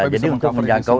iya jadi untuk menjangkau